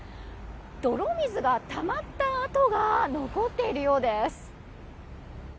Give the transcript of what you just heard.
泥水がたまった跡が残っているようです。